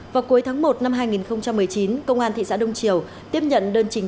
vào cuối tháng một năm hai nghìn một mươi chín công an thị xã đông triều tiếp nhận đơn trình